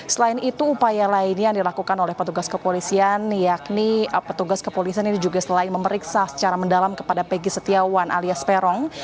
selain itu upaya lainnya yang dilakukan oleh petugas kepolisian yakni petugas kepolisian ini juga selain memeriksa secara mendalam kepada peggy setiawan alias peron